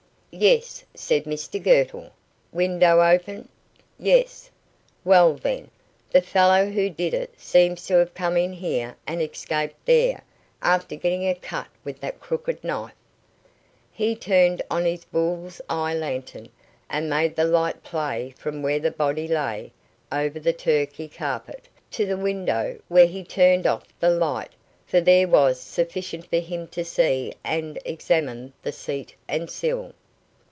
"Yes," said Mr Girtle. "Window open?" "Yes." "Well, then, the fellow who did it seems to have come in here and escaped there, after getting a cut with that crooked knife." He turned on his bull's eye lantern, and made the light play from where the body lay, over the Turkey carpet, to the window, where he turned off the light, for there was sufficient for him to see and examine the seat and sill.